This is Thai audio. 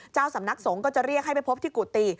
เจ้าสำนักสงฆ์ก็จะเรียกให้ไปพบที่กุฏิ